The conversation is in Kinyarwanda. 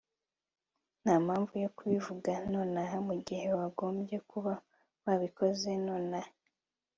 ntampamvu yo kubivuga nonaha mugihe wagombye kuba wabikoze nonaha